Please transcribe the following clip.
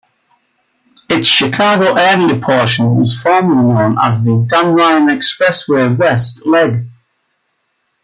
Its Chicago-area portion was formerly known as the Dan Ryan Expressway-West Leg.